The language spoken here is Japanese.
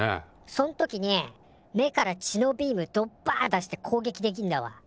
そん時に目から血のビームドッパ出してこうげきできんだわ。